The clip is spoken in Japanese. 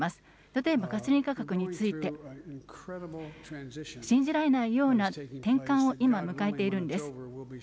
例えばガソリン価格について、信じられないような転換を今、迎えているんです。